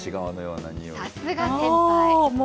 さすが先輩。